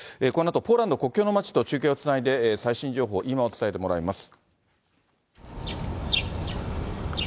このあと、ポーランド国境の町と中継をつないで、最新情報、今を伝えてもらいます。